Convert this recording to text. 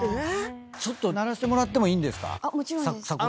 ちょっと鳴らしてもらってもいいんですか？